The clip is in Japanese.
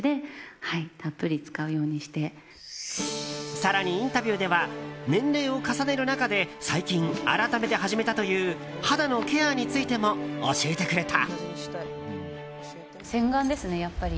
更にインタビューでは年齢を重ねる中で最近、改めて始めたという肌のケアについても教えてくれた。